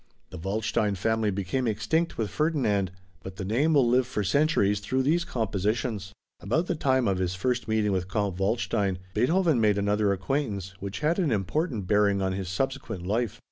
The Waldstein family became extinct with Ferdinand, but the name will live for centuries through these compositions. About the time of his first meeting with Count Waldstein, Beethoven made another acquaintance, which had an important bearing on his subsequent life.